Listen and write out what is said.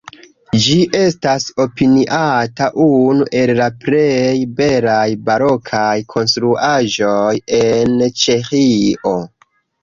Ĝi estas opiniata unu el la plej belaj barokaj konstruaĵoj en Ĉeĥio.